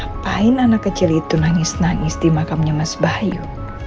ngapain anak kecil itu nangis nangis di makamnya mas bayu